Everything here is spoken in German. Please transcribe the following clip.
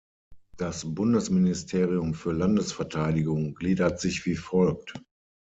Das Bundesministerium für Landesverteidigung gliedert sich wie folgt.